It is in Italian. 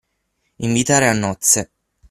Invitare a nozze.